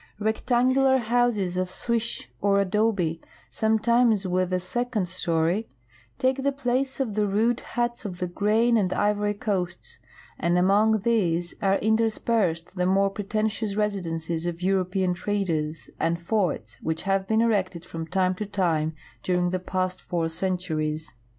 Rect angular houses of swish, or adobe, sometimes with ,a second story, take the place of the rude hvits of the Grain and Ivory coasts, and among these are interspersed the more pretentious residences of European traders, and forts which have been erected from time to time during the past four centuries.